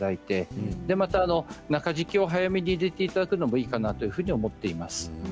また中敷きを早めに入れていただくのもいいと思います。